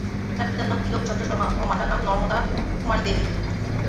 তার পিতার নাম তিলক চন্দ্র শর্মা ও মাতার নাম নর্মদা কুমারী দেবী।